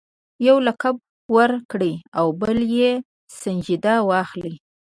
یو لقب ورکړي او بل یې سنجیده واخلي.